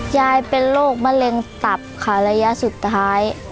ยายเป็นโรคมะเร็งตับค่ะระยะสุดท้าย